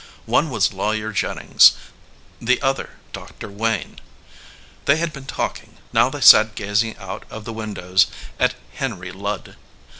One was Lawyer Jennings ; the other, Dr. Wayne. They had been talking ; now they sat gazing out of the windows at Henry Ludd.